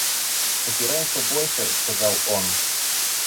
Упирайся больше, — сказал он.